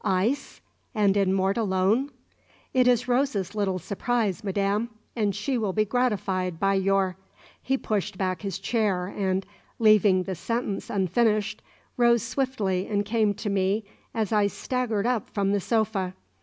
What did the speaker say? Ice? And in Mortallone?" "It is Rosa's little surprise, madame, and she will be gratified by your " He pushed back his chair and, leaving the sentence unfinished, rose swiftly and came to me as I staggered up from the sofa.